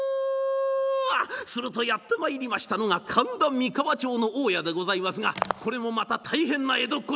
するとやって参りましたのが神田三河町の大家でございますがこれもまた大変な江戸っ子で。